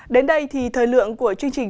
đến đây thì thời lượng của chương trình